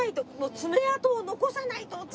爪痕を残さないとって。